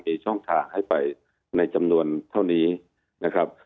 มีช่องทางให้ไปในจำนวนเท่านี้นะครับ